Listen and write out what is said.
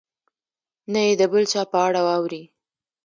نه یې د بل چا په اړه اوري.